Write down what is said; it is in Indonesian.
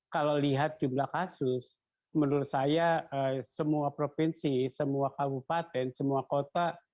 kalau lihat jumlah kasus menurut saya semua provinsi semua kabupaten semua kota